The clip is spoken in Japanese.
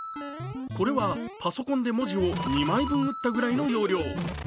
これはパソコンで文字を２枚分打ったぐらいの容量。